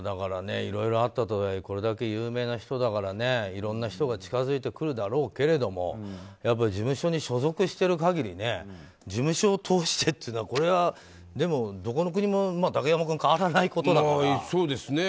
いろいろあったとはいえこれだけ有名な人だからいろんな人が近づいてくるだろうけれどもやっぱり事務所に所属してる限り事務所を通してっていうのはこれはどこの国も竹山君、変わらないことだから。